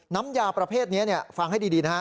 น้ำยาประเภทนี้ฟังให้ดีนะฮะ